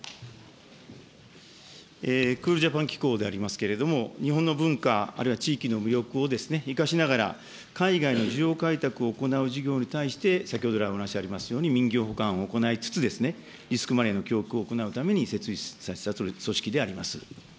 クールジャパン機構でありますけれども、日本の文化、あるいは地域の魅力を生かしながら、海外の需要開拓を行う事業に対して先ほどらいお話ありますように、民業補完を行いつつ、リスクマネーの供給を行うために設立させた組織であります。